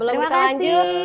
oh iya terima kasih